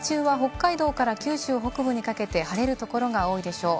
日中は北海道から九州北部にかけて晴れるところが多いでしょう。